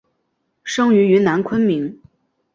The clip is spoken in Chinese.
生于云南昆明。